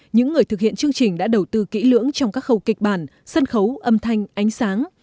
những người thực hiện chương trình đã đầu tư kỹ lưỡng trong các khâu kịch bản sân khấu âm thanh ánh sáng